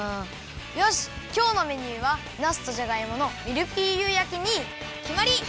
よしきょうのメニューはなすとじゃがいものミルフィーユ焼きにきまり！